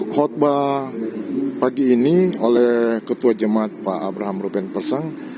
khutbah pagi ini oleh ketua jemaat pak abraham rubin persang